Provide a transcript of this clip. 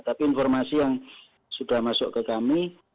tapi informasi yang sudah masuk ke kami